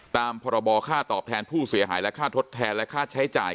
พรบค่าตอบแทนผู้เสียหายและค่าทดแทนและค่าใช้จ่าย